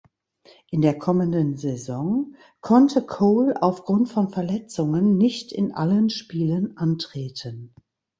In der kommenden Saison konnte Cole aufgrund von Verletzungen nicht in allen Spielen antreten.